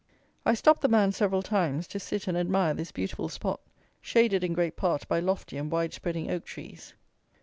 I stopped the man several times, to sit and admire this beautiful spot, shaded in great part by lofty and wide spreading oak trees.